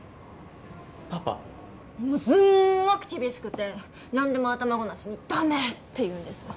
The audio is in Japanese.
もうすんごく厳しくて何でも頭ごなしにだめって言うんですよ。